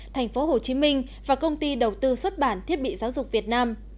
tp hcm và công ty đầu tư xuất bản thiết bị giáo dục việt nam